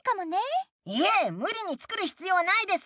いえ無理につくるひつようはないです。